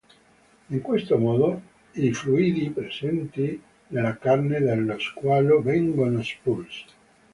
In questo modo, i fluidi presenti nella carne dello squalo vengono espulsi.